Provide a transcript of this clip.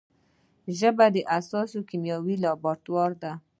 ژبه حساس کیمیاوي لابراتوار دی.